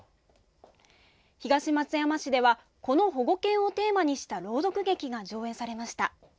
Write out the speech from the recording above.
東松山市ではこの保護犬をテーマにした朗読劇が上演されました。